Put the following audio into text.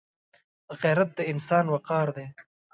غیرت د انسان وقار دی